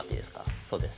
そうです。